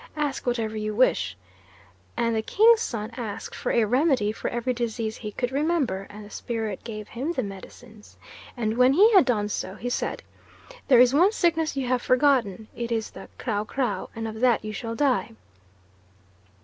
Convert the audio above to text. Ask whatever you wish,' and the King's son asked for a remedy for every disease he could remember; and the spirit gave him the medicines, and when he had done so, he said, 'There is one sickness you have forgotten it is the Krawkraw, and of that you shall die.'